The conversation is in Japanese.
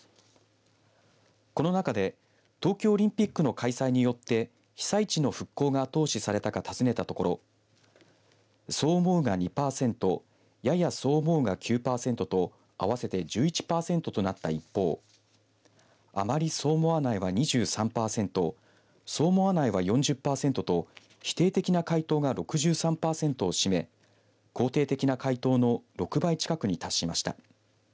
この中で東京オリンピックの開催によって被災地の復興が後押しされたか尋ねたところそう思うが２パーセントややそう思うが９パーセントと合わせて１１パーセントとなった一方であまりそう思わないは２３パーセントそう思わないは４０パーセントと否定的な回答が６３パーセントを占め、肯定的な回答の６倍近くに達しました。